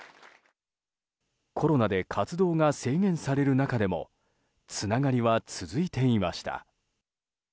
コロナで活動が制限される中でもつながりは続いていました。